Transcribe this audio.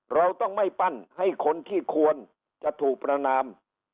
เราต้องไม่ปั้นให้คนที่ควรจะถูกประนาม